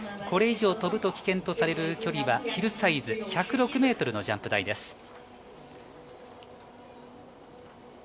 これ以上飛ぶと危険とされる距離はヒルサイズ、１０６ｍのジャンプ台です。